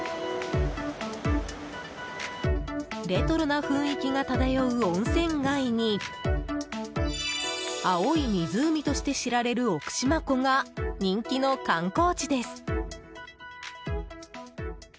レトロな雰囲気が漂う温泉街に青い湖として知られる奥四万湖が人気の観光地です。